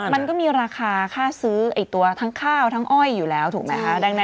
มันก็มีราคาค่าซื้อไอ้ตัวทั้งการเผาน่ะ